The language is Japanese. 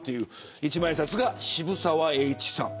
一万円札が渋沢栄一さん。